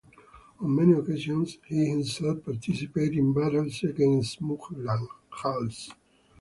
On many occasions he himself participated in battles against Mughals.